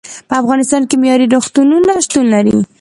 په افغانستان کې معیارې روغتونونه شتون لري.